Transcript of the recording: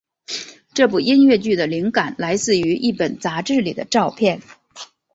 这部音乐剧的灵感来自于一本杂志里的照片。